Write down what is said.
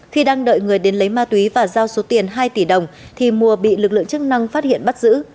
khi đang đợi người đến lấy ma túy và giao số tiền hai tỷ đồng thì mùa bị lực lượng chức năng phát hiện bắt giữ